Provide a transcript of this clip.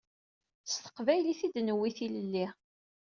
S teqbaylit i d-newwi tilelli.